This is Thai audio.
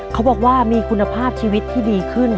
เขาบอกว่ามีคุณภาพชีวิตที่ดีขึ้น